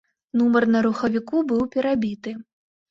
Нумар на рухавіку быў перабіты.